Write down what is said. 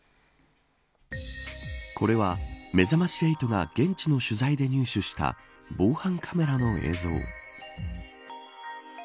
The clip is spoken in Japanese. これは、めざまし８が現地の取材で入手した防犯カメラの映像。